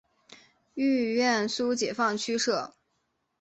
豫皖苏解放区设。